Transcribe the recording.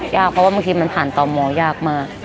ยากเพราะว่าบางทีมันผ่านต่อมอยากมาก